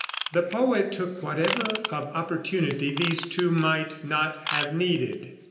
The poet took whatever of opportunity these two might not have needed.